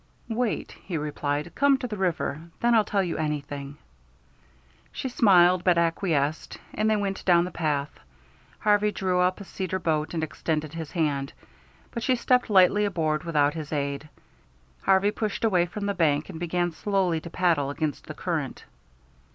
"Wait," he replied, "come to the river. Then I'll tell you anything." She smiled, but acquiesced, and they went down the path. Harvey drew up a cedar boat and extended his hand, but she stepped lightly aboard without his aid. Harvey pushed away from the bank and began slowly to paddle against the current.